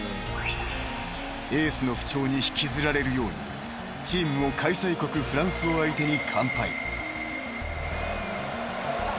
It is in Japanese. ［エースの不調に引きずられるようにチームも開催国フランスを相手に］